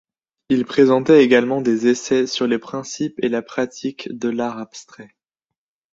Il présentait également des essais sur les principes et la pratique de l'art abstrait.